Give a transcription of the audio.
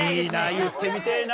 言ってみてえな！